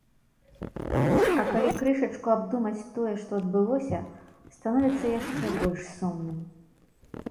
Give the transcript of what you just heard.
А калі крышачку абдумаць тое, што адбылося, становіцца яшчэ больш сумным.